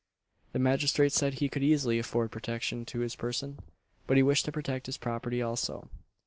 The magistrate said he could easily afford protection to his person, but he wished to protect his property also.